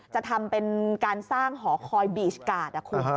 จะทำเป็นการสร้างหอคอยบีชการ์ดนะคุณ